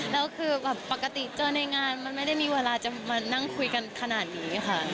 แล้วคือแบบปกติเจอในงานมันไม่ได้มีเวลาจะมานั่งคุยกันขนาดนี้ค่ะ